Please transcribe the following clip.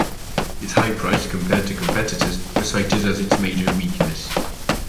Its high price compared to competitors was cited as its major weakness.